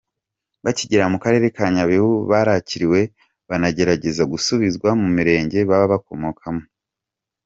Bakigera mu karere ka Nyabihu barakiriwe, banagerageza gusubizwa mu mirenge baba bakomokamo.